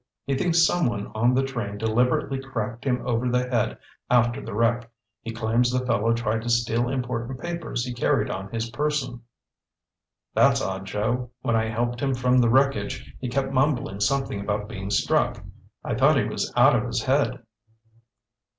He thinks someone on the train deliberately cracked him over the head after the wreck. He claims the fellow tried to steal important papers he carried on his person." "That's odd, Joe. When I helped him from the wreckage he kept mumbling something about being struck. I thought he was out of his head."